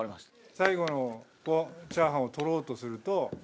最後のチャーハンを取ろうとすると。